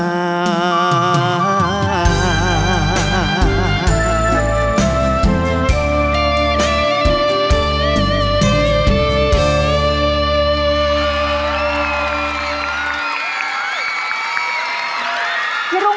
เพราะไม่สุขท้ายเอง